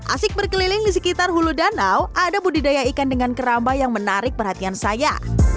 asik berkeliling di sekitar hulu danau ada budidaya ikan dengan keramba yang menarik perhatian saya